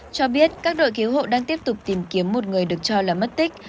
cho biết các đội cứu hộ đang tiếp tục tìm kiếm một người được cho là mất tích